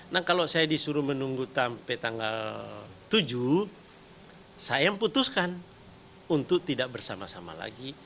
nah kalau saya disuruh menunggu sampai tanggal tujuh saya yang putuskan untuk tidak bersama sama lagi